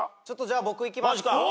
ちょっとじゃあ僕いきます。